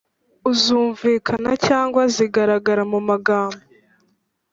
u zumvikana cyangwa zigaragara mu magambo,